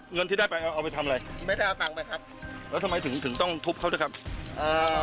เงินที่ได้ไปเอาเอาไปทำอะไรไม่ได้เอาตังค์ไปครับแล้วทำไมถึงถึงต้องทุบเขาด้วยครับอ่า